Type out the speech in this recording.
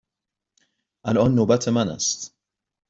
الان نوبت من است.